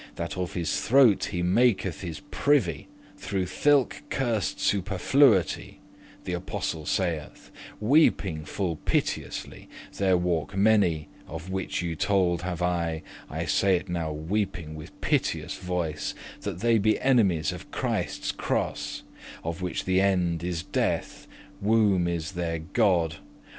wine* That of his throat he maketh his privy Through thilke cursed superfluity The apostle saith, <14> weeping full piteously, There walk many, of which you told have I, — I say it now weeping with piteous voice, — That they be enemies of Christe's crois;* *cross Of which the end is death; womb* is their God.